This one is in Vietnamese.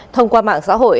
thông qua mạng xã hội